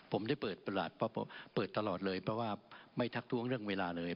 ผมได้เปิดตลอดเลยเพราะว่าไม่ทักท้วงเรื่องเวลาเลย